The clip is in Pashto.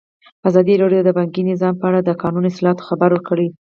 ازادي راډیو د بانکي نظام په اړه د قانوني اصلاحاتو خبر ورکړی.